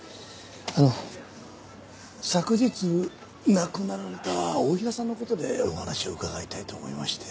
あの昨日亡くなられた太平さんの事でお話を伺いたいと思いまして。